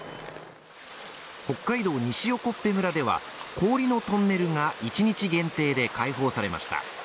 北海道西興部村では、氷のトンネルが一日限定で開放されました。